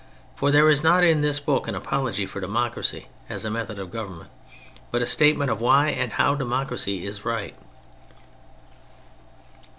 For there is not in this book an apology for democracy as a method of government, but a statement ol why and how democracy is right.